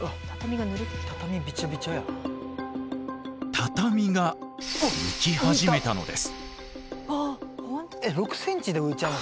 畳が浮き始めたのです。